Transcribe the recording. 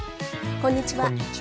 こんにちは。